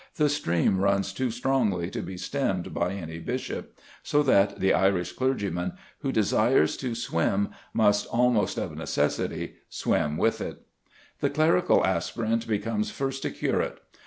The stream runs too strongly to be stemmed by any bishop; so that the Irish clergyman who desires to swim must, almost of necessity, swim with it. The clerical aspirant becomes first a curate.